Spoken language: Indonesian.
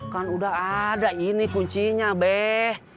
kan udah ada ini kuncinya be